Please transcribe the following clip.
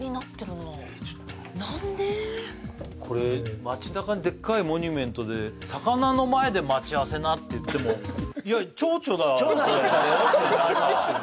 これ街なかにデッカいモニュメントで魚の前で待ち合わせなって言ってもいやちょうちょだこれってなりますよね